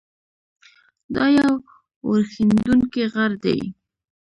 دا یو اورښیندونکی غر دی.